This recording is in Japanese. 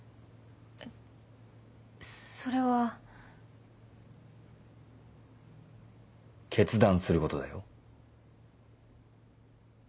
えっそれは。決断することだよ。